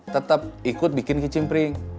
tetep ikut bikin kicim pring